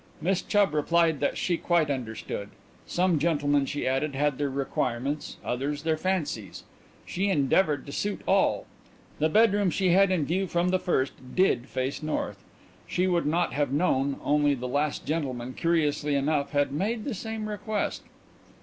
Miss Chubb replied that she quite understood. Some gentlemen, she added, had their requirements, others their fancies. She endeavoured to suit all. The bedroom she had in view from the first did face north. She would not have known, only the last gentleman, curiously enough, had made the same request.